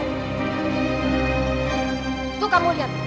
tunggu kamu lihat